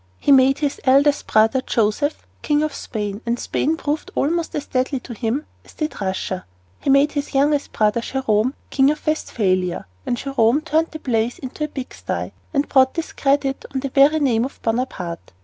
He made his eldest brother, Joseph, King of Spain, and Spain proved almost as deadly to him as did Russia. He made his youngest brother, Jerome, King of Westphalia, and Jerome turned the palace into a pigsty and brought discredit on the very name of Bonaparte.